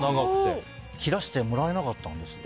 切らせてもらえなかったんです。